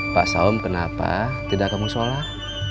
pak saom kenapa tidak kamu sholat